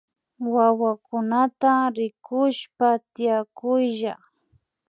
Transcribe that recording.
Wawakunata rikushpa tiakuylla